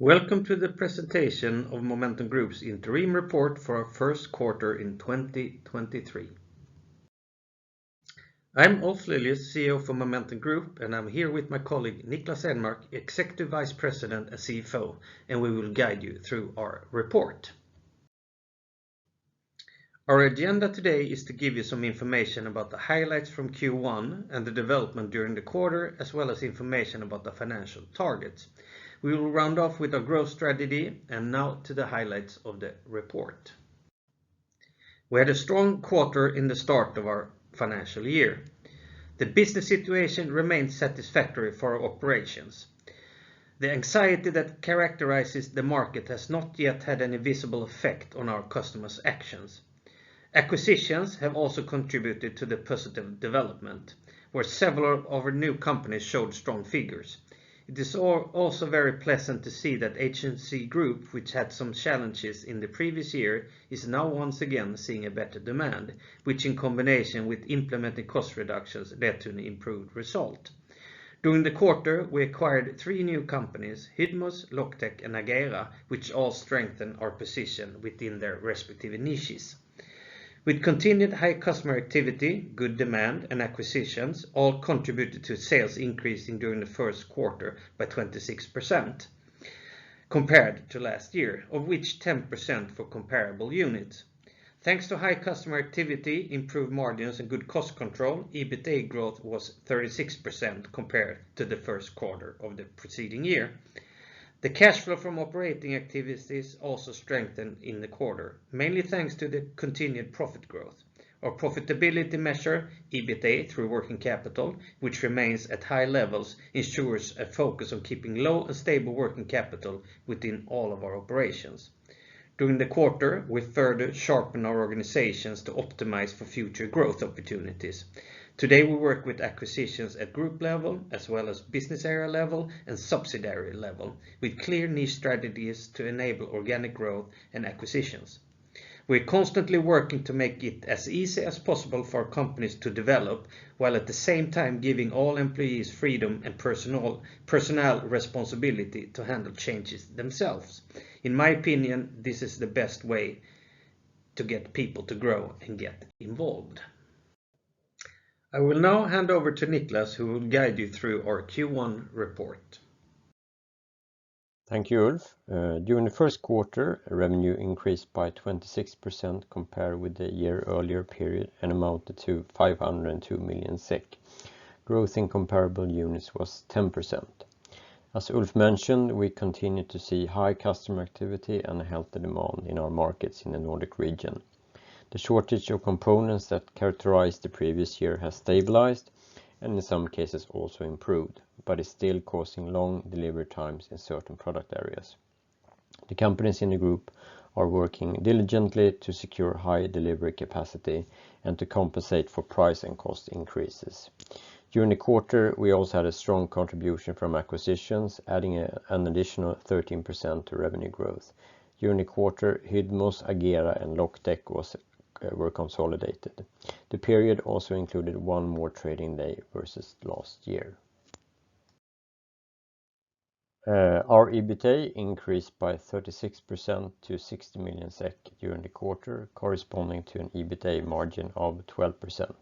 Welcome to the presentation of Momentum Group's interim report for our first quarter in 2023. I'm Ulf Lilius, CEO for Momentum Group, and I'm here with my colleague Niklas Enmark, Executive Vice President and CFO, and we will guide you through our report. Our agenda today is to give you some information about the highlights from Q1 and the development during the quarter, as well as information about the financial targets. We will round off with our growth strategy. Now to the highlights of the report. We had a strong quarter in the start of our financial year. The business situation remains satisfactory for our operations. The anxiety that characterizes the market has not yet had any visible effect on our customers' actions. Acquisitions have also contributed to the positive development, where several of our new companies showed strong figures. It is also very pleasant to see that HNC Group, which had some challenges in the previous year, is now once again seeing a better demand, which in combination with implementing cost reductions led to an improved result. During the quarter, we acquired three new companies, Hydmos, LocTech, and Agera, which all strengthen our position within their respective niches. With continued high customer activity, good demand, and acquisitions, all contributed to sales increasing during the first quarter by 26% compared to last year, of which 10% for comparable units. Thanks to high customer activity, improved margins, and good cost control, EBITA growth was 36% compared to the first quarter of the preceding year. The cash flow from operating activities also strengthened in the quarter, mainly thanks to the continued profit growth. Our profitability measure, EBITA, through working capital, which remains at high levels, ensures a focus on keeping low and stable working capital within all of our operations. During the quarter, we further sharpened our organizations to optimize for future growth opportunities. Today, we work with acquisitions at group level as well as business area level and subsidiary level with clear niche strategies to enable organic growth and acquisitions. We're constantly working to make it as easy as possible for companies to develop while at the same time giving all employees freedom and personal responsibility to handle changes themselves. In my opinion, this is the best way to get people to grow and get involved. I will now hand over to Niklas, who will guide you through our Q1 report. Thank you, Ulf. During the first quarter, revenue increased by 26% compared with the year earlier period and amounted to 502 million SEK. Growth in comparable units was 10%. As Ulf mentioned, we continued to see high customer activity and a healthy demand in our markets in the Nordic region. The shortage of components that characterized the previous year has stabilized and in some cases also improved, but is still causing long delivery times in certain product areas. The companies in the group are working diligently to secure high delivery capacity and to compensate for price and cost increases. During the quarter, we also had a strong contribution from acquisitions, adding an additional 13% to revenue growth. During the quarter, Hydmos, Agera, and LocTech were consolidated. The period also included one more trading day versus last year. Our EBITA increased by 36% to 60 million SEK during the quarter, corresponding to an EBITA margin of 12%.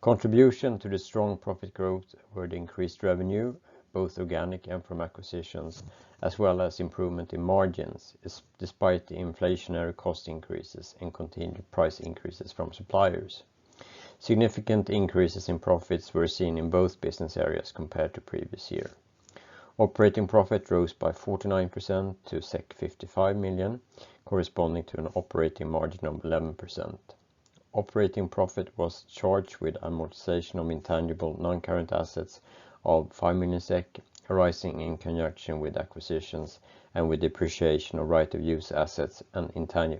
Contribution to the strong profit growth were the increased revenue, both organic and from acquisitions, as well as improvement in margins, despite the inflationary cost increases and continued price increases from suppliers. Significant increases in profits were seen in both business areas compared to previous year. Operating profit rose by 49% to 55 million, corresponding to an operating margin of 11%. Operating profit was charged with amortization of intangible non-current assets of 5 million SEK, arising in conjunction with acquisitions and with depreciation of right of use assets and tangible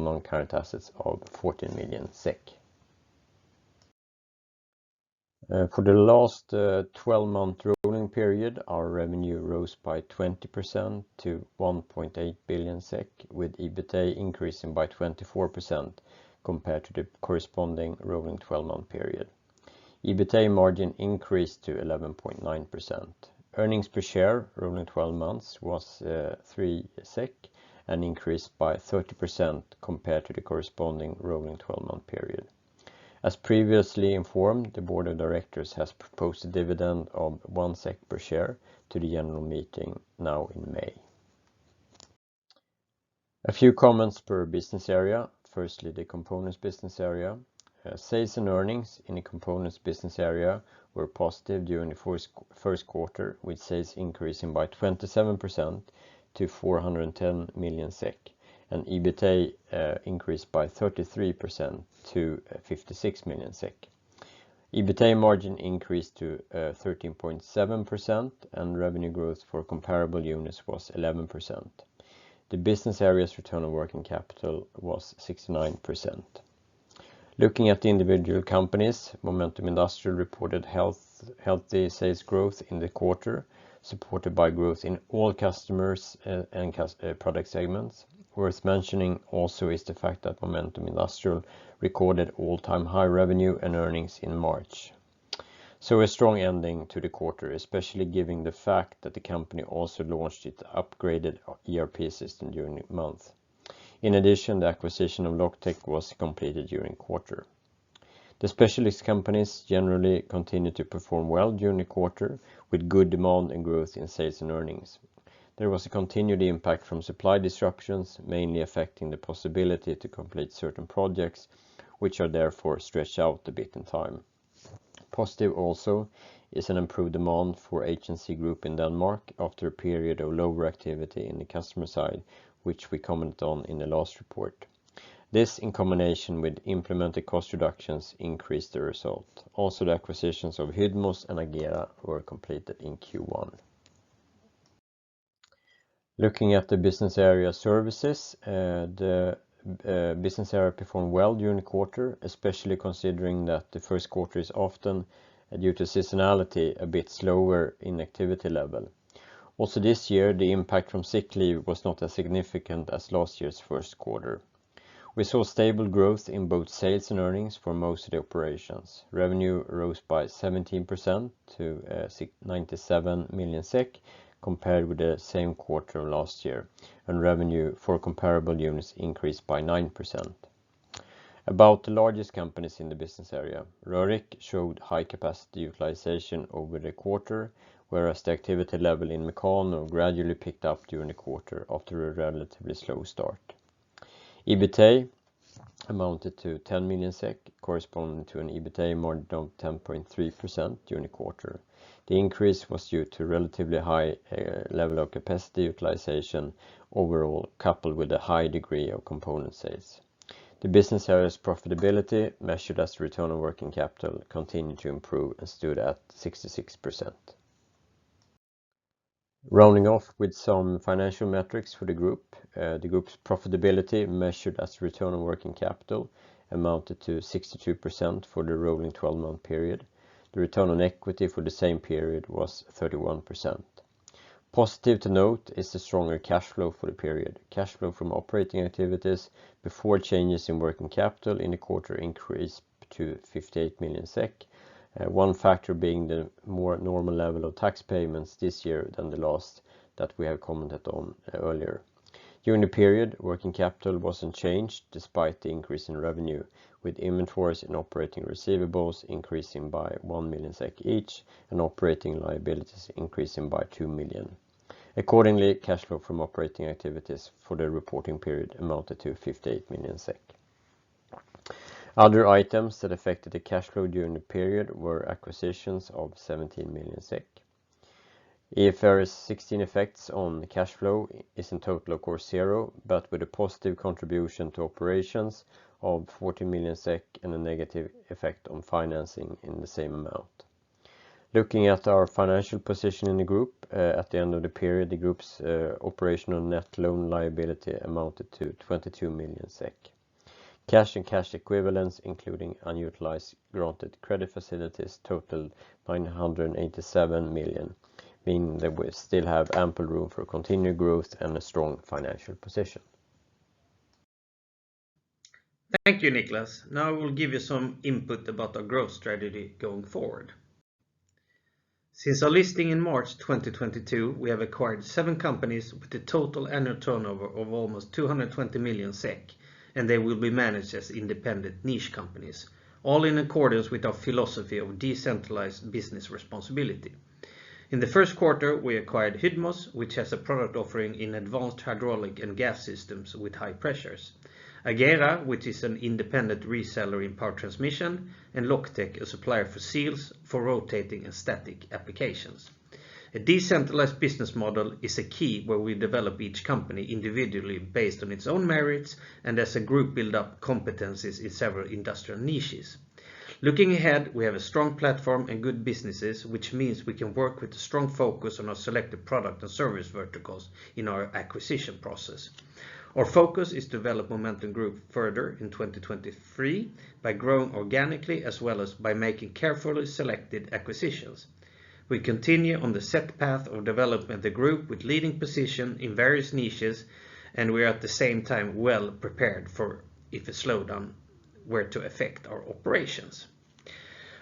non-current assets of 14 million SEK. For the last 12-month rolling period, our revenue rose by 20% to 1.8 billion SEK, with EBITA increasing by 24% compared to the corresponding rolling 12-month period. EBITA margin increased to 11.9%. Earnings per share, rolling 12 months, was 3 SEK and increased by 30% compared to the corresponding rolling 12-month period. As previously informed, the Board of Directors has proposed a dividend of 1 SEK per share to the annual meeting now in May. A few comments per business area. Firstly, the Components business area. Sales and earnings in the Components business area were positive during the first quarter, with sales increasing by 27% to 410 million SEK, and EBITA increased by 33% to 56 million SEK. EBITA margin increased to 13.7%, and revenue growth for comparable units was 11%. The business area's return on working capital was 69%. Looking at the individual companies, Momentum Industrial reported healthy sales growth in the quarter, supported by growth in all customers and product segments. Worth mentioning also is the fact that Momentum Industrial recorded all-time high revenue and earnings in March. A strong ending to the quarter, especially given the fact that the company also launched its upgraded ERP system during the month. In addition, the acquisition of LocTech was completed during the quarter. The specialist companies generally continued to perform well during the quarter, with good demand and growth in sales and earnings. There was a continued impact from supply disruptions, mainly affecting the possibility to complete certain projects, which are therefore stretched out a bit in time. Positive also is an improved demand for HNC Group in Denmark after a period of lower activity in the customer side, which we commented on in the last report. This, in combination with implemented cost reductions, increased the result. The acquisitions of Hydmos and Agera were completed in Q1. Looking at the business area Services, the business area performed well during the quarter, especially considering that the first quarter is often, due to seasonality, a bit slower in activity level. This year, the impact from sick leave was not as significant as last year's first quarter. We saw stable growth in both sales and earnings for most of the operations. Revenue rose by 17% to 97 million SEK compared with the same quarter last year. Revenue for comparable units increased by 9%. About the largest companies in the business area, Rörick showed high capacity utilization over the quarter, whereas the activity level in Mekano gradually picked up during the quarter after a relatively slow start. EBITA amounted to 10 million SEK, corresponding to an EBITA margin of 10.3% during the quarter. The increase was due to relatively high level of capacity utilization overall, coupled with a high degree of component sales. The business area's profitability, measured as return on working capital, continued to improve and stood at 66%. Rounding off with some financial metrics for the group, the group's profitability, measured as return on working capital, amounted to 62% for the rolling 12-month period. The return on equity for the same period was 31%. Positive to note is the stronger cash flow for the period. Cashflow from operating activities before changes in working capital in the quarter increased to 58 million SEK. One factor being the more normal level of tax payments this year than the last that we have commented on earlier. During the period, working capital wasn't changed despite the increase in revenue, with inventories and operating receivables increasing by 1 million SEK each and operating liabilities increasing by 2 million. Accordingly, cashflow from operating activities for the reporting period amounted to 58 million SEK. Other items that affected the cashflow during the period were acquisitions of 17 million SEK. IFRS 16 effects on the cashflow is in total, of course, zero, but with a positive contribution to operations of 40 million SEK and a negative effect on financing in the same amount. Looking at our financial position in the group, at the end of the period, the group's operational net loan liability amounted to 22 million SEK. Cash and cash equivalents, including unutilized granted credit facilities, totaled 987 million, meaning that we still have ample room for continued growth and a strong financial position. Thank you, Niklas. Now I will give you some input about our growth strategy going forward. Since our listing in March 2022, we have acquired seven companies with a total annual turnover of almost 220 million SEK, and they will be managed as independent niche companies, all in accordance with our philosophy of decentralized business responsibility. In the first quarter, we acquired Hydmos, which has a product offering in advanced hydraulic and gas systems with high pressures. Agera, which is an independent reseller in power transmission, and LocTech, a supplier for seals for rotating and static applications. A decentralized business model is a key where we develop each company individually based on its own merits and as a group build up competencies in several industrial niches. Looking ahead, we have a strong platform and good businesses, which means we can work with a strong focus on our selected product and service verticals in our acquisition process. Our focus is to develop Momentum Group further in 2023 by growing organically as well as by making carefully selected acquisitions. We continue on the set path of developing the group with leading position in various niches, and we are at the same time well prepared for if a slowdown were to affect our operations.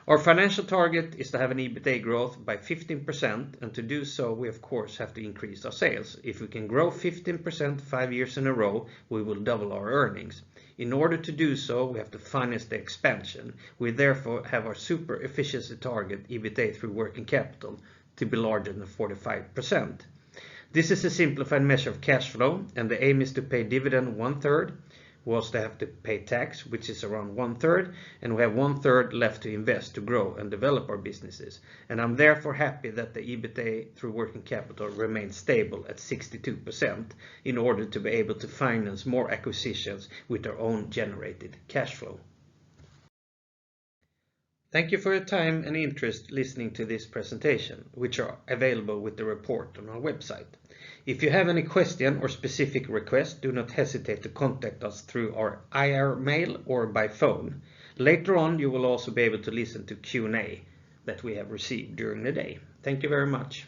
Our financial target is to have an EBITA growth by 15%, To do so, we of course have to increase our sales. If we can grow 15% five years in a row, we will double our earnings. In order to do so, we have to finance the expansion. We have our super efficiency target, EBITA through working capital, to be larger than 45%. This is a simplified measure of cashflow. The aim is to pay dividend 1/3. We also have to pay tax, which is around 1/3. We have 1/3 left to invest to grow and develop our businesses. I'm therefore happy that the EBITA through working capital remains stable at 62% in order to be able to finance more acquisitions with our own generated cashflow. Thank you for your time and interest listening to this presentation, which are available with the report on our website. If you have any question or specific request, do not hesitate to contact us through our IR mail or by phone. Later on, you will also be able to listen to Q&A that we have received during the day. Thank you very much.